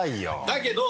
だけど。